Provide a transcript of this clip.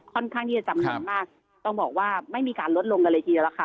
ค่อนข้างที่จะจำนวนมากต้องบอกว่าไม่มีการลดลงกันเลยทีเดียวล่ะค่ะ